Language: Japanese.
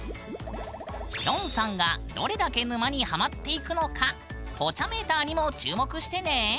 きょんさんがどれだけ沼にハマっていくのか「ポチャメーター」にも注目してね！